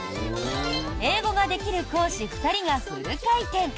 英語ができる講師２人がフル回転。